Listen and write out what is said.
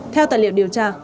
theo tài liệu điều tra